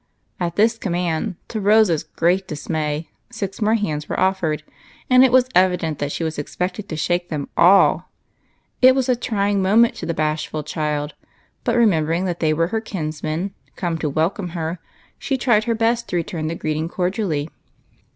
At this command, to Rose's great dismay, six more hands were offered, and it was evident that she was expected to shake them all. It was a trying moment to the bashful child; but, remembering that they were her kinsmen come to welcome her, she tried her best to return the greeting cordially.